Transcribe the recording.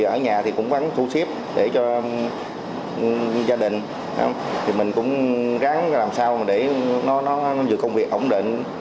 ở nhà cũng vắng thu xếp để cho gia đình mình cũng ráng làm sao để công việc ổn định